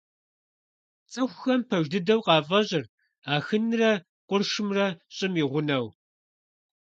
ЦӀыхухэм пэж дыдэу къафӀэщӀырт Ахынрэ къуршымрэ ЩӀым и гъунэу.